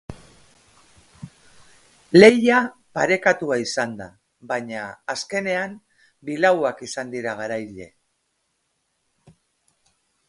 Lehia parekatua izan da, baina, azkenean, bilauak izan dira garaile.